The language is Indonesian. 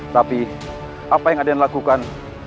tapi apa yang aden lakukan